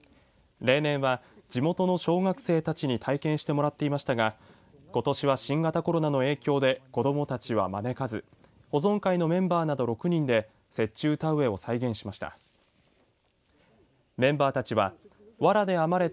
例年は地元の小学生たちに体験してもらっていましたがことしは新型コロナの影響で子どもたちは招かず保存会のメンバーなど６人で雪中田植えを再現しました。